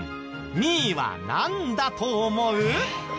２位はなんだと思う？